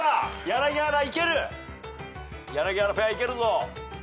柳原ペアいけるぞ。